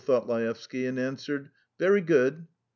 thought Laevsky, and answered: "Very good."